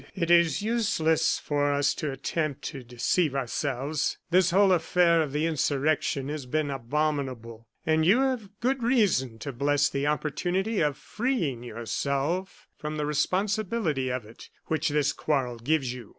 "It is useless for us to attempt to deceive ourselves; this whole affair of the insurrection has been abominable, and you have good reason to bless the opportunity of freeing yourself from the responsibility of it which this quarrel gives you.